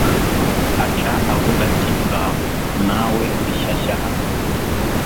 aca avuga ati uraho! nawe uri shyashya hano